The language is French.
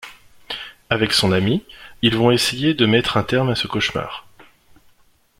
Avec son amie, ils vont essayer de.mettre un terme à ce cauchemar...